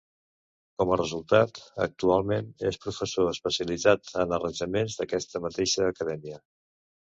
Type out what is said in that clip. Com a resultat, actualment és professor especialitzat en arranjaments d'aquesta mateixa acadèmia.